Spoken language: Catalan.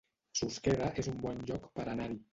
Susqueda es un bon lloc per anar-hi